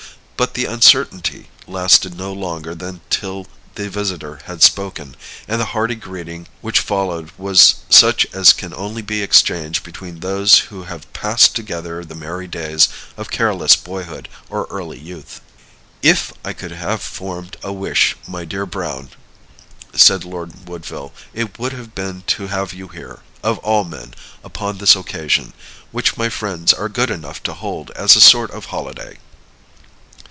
But the uncertainty lasted no longer than till the visitor had spoken, and the hearty greeting which followed was such as can only be exchanged between those who have passed together the merry days of careless boyhood or early youth. "If I could have formed a wish, my dear Browne," said Lord Woodville, "it would have been to have you here, of all men, upon this occasion, which my friends are good enough to hold as a sort of holiday.